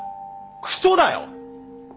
クソだよ！